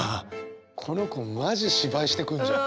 この子マジ芝居してくんじゃん。